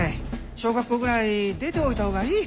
小学校ぐらい出ておいた方がいい。